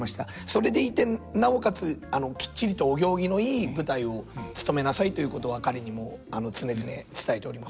それでいてなおかつきっちりとお行儀のいい舞台をつとめなさいということは彼にも常々伝えております。